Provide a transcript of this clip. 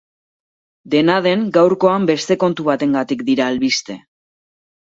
Dena den, gaurkoan beste kontu batengatik dira albiste.